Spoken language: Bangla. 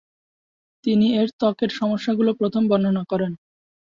তিনি এর ত্বকের সমস্যাগুলো প্রথম বর্ণনা করেন।